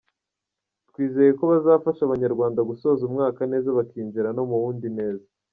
Twizeye ko bazafasha Abanyarwanda gusoza umwaka neza bakinjira no mu wundi neza.